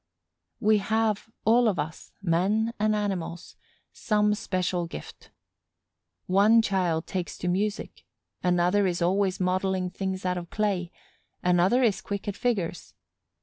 We have all of us, men and animals, some special gift. One child takes to music, another is always modeling things out of clay; another is quick at figures.